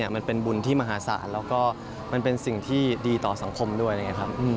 มันเป็นบุญที่มหาสารและก็มันเป็นสิ่งที่ดีต่อสังคมด้วย